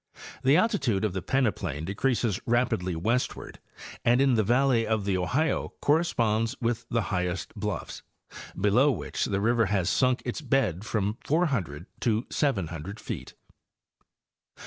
The altitude of the peneplain decreases rapidly westward and in the valley of the Ohio corresponds with the highest bluffs, below which the river has sunk its bed from 400 to 700 feet.